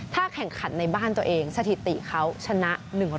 ถ้าแข่งขันในบ้านตัวเองสถิติเขาชนะ๑๐๐